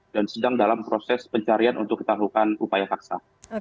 dan sedang dalam proses pencarian untuk kita lakukan upaya kaksa